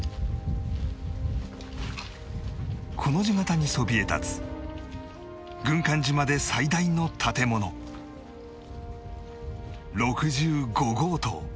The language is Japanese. コの字形にそびえ立つ軍艦島で最大の建物６５号棟